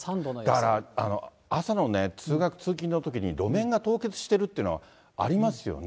だから、朝のね、通学・通勤のときに、路面が凍結しているというのがありますよね。